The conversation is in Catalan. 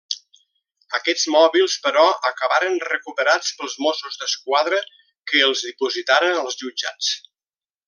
Aquests mòbils però acabaren recuperats pels Mossos d'Esquadra que els dipositaren als jutjats.